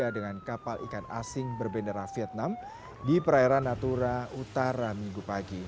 dengan kapal ikan asing berbendera vietnam di perairan natura utara minggu pagi